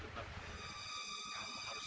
kurang ajar kamu